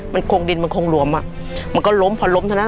มันคงดินมันคงหลวมอ่ะมันก็ล้มพอล้มเท่านั้น